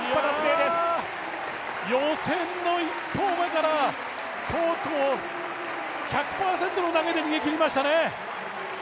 いや、予選の１投目からとうとう１００％の投げで逃げ切りましたね。